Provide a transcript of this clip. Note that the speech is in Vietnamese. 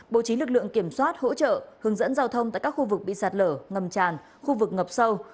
bố trí lực lượng kiểm soát hỗ trợ hướng dẫn giao thông tại các khu vực bị sạt lở ngầm tràn khu vực ngập sâu